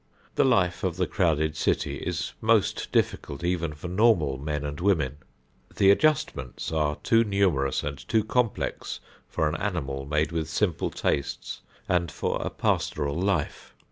The life of the crowded city is most difficult even for normal men and women. The adjustments are too numerous and too complex for an animal made with simple tastes and for a pastoral life.